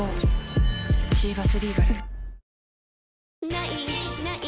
「ない！ない！